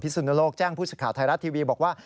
พิสุนุโลกแจ้งพูดสุขาวไทยรัฐทีวีบอกว่า